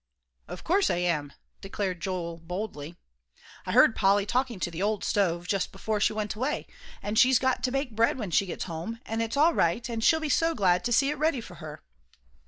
"Of course I am," declared Joel, boldly. "I heard Polly talking to the old stove just before she went away, and she's got to bake bread when she gets home, an' it's all right, an' she'll be so glad to see it ready for her."